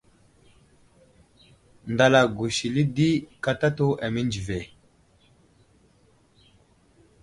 Ndala gusisili di katatu amənzi ve.